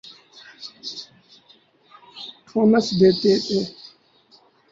ﭨﮭﻮﻧﺲ ﺩﯾﺘﮯ ﺗﮭﮯ